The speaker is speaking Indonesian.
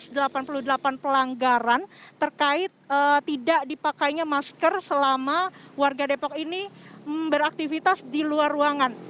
dan juga pelanggaran terkait tidak dipakainya masker selama warga depok ini beraktivitas di luar ruangan